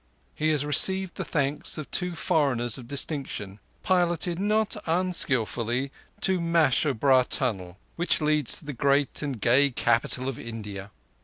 He has received the thanks of two foreigners of distinction, piloted not unskilfully to Mashobra tunnel, which leads to the great and gay capital of India.